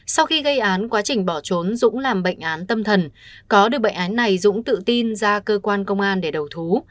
sau khi gây án quá trình bỏ trốn dũng làm bệnh án tâm thần có được bệnh án này dũng tự tin ra cơ quan công an để đầu thú